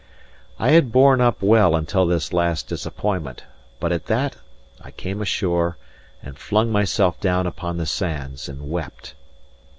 I had borne up well until this last disappointment; but at that I came ashore, and flung myself down upon the sands and wept.